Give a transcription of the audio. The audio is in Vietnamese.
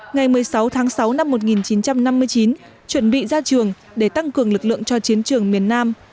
ngày một mươi sáu tháng sáu năm một nghìn chín trăm năm mươi chín chuẩn bị ra trường để tăng cường lực lượng cho chiến trường miền nam